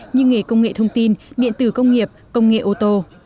như nghề công nghệ thông tin điện tử công nghiệp công nghệ ô tô